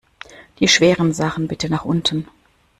Die schweren Sachen bitte nach unten!